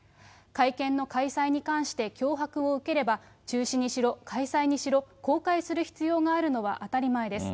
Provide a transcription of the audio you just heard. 会見の開催に関して脅迫を受ければ、中止にしろ開催にしろ、公開する必要があるのは当たり前です。